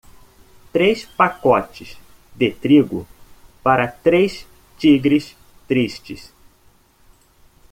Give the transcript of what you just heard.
três pacotes de trigo para três tigres tristes